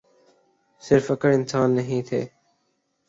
صرف اکڑ خان نہیں تھے۔